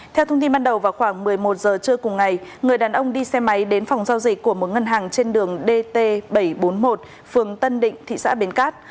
theo thông tin ban đầu vào khoảng một mươi một giờ trưa cùng ngày người đàn ông đi xe máy đến phòng giao dịch của một ngân hàng trên đường dt bảy trăm bốn mươi một phường tân định thị xã bến cát